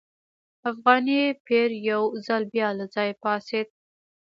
افغاني پیر یو ځل بیا له ځایه پاڅېد.